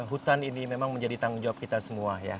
hutan ini memang menjadi tanggung jawab kita semua ya